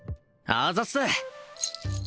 あざっす